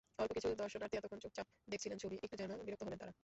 অল্পকিছু দর্শনার্থী এতক্ষণ চুপচাপ দেখছিলেন ছবি, একটু যেন বিরক্ত হলেন তাঁরা।